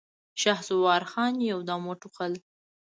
شهسوار خان يودم وټوخل.